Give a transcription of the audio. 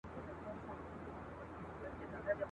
او تر اوسه مي نه مادي !.